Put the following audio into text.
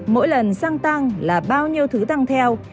mỗi lần xăng tăng là bao nhiêu thứ tăng theo